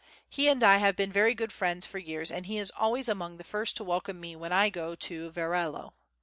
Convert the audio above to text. He and I have been very good friends for years and he is always among the first to welcome me when I go to Varallo.